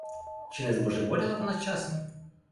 Чи не збожеволіла вона часом?